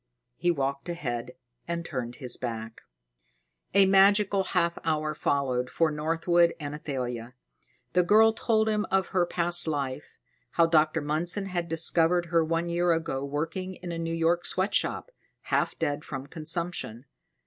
He walked ahead and turned his back. A magical half hour followed for Northwood and Athalia. The girl told him of her past life, how Dr. Mundson had discovered her one year ago working in a New York sweat shop, half dead from consumption.